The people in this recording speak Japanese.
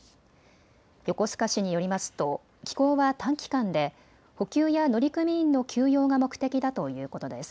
横須賀市によりますと寄港は短期間で補給や乗組員の休養が目的だということです。